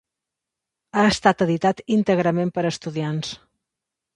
Ha estat editat íntegrament per estudiants.